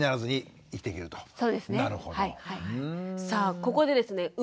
さあここでですね